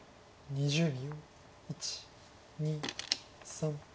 ２０秒。